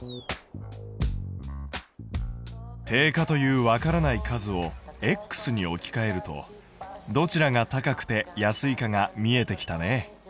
定価というわからない数をに置きかえるとどちらが高くて安いかが見えてきたね。